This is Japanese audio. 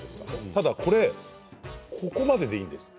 ただこれ、ここまででいいんです。